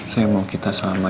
saya akan mencintai kamu